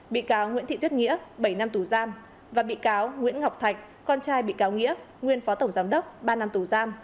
bị cáo nguyễn thị tuyết nghĩa bảy năm tù giam và bị cáo nguyễn ngọc thạch con trai bị cáo nghĩa nguyên phó tổng giám đốc ba năm tù giam